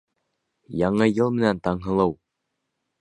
Яңы йыл менән, Таңһылыу!